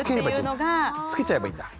つけちゃえばいいんだ。